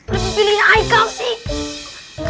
lebih pilih haikal sih